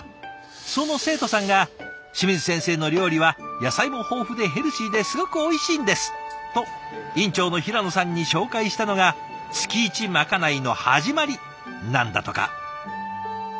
その生徒さんが「清水先生の料理は野菜も豊富でヘルシーですごくおいしいんです！」と院長の平野さんに紹介したのが月イチまかないの始まりなんだとか。